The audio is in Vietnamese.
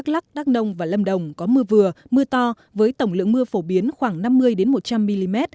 đắk lắc đắk nông và lâm đồng có mưa vừa mưa to với tổng lượng mưa phổ biến khoảng năm mươi một trăm linh mm